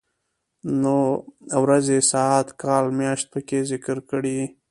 نو ورځې ،ساعت، کال ،مياشت پکې ذکر کړي.